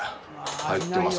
入ってます。